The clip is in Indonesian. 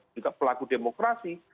juga pelaku demokrasi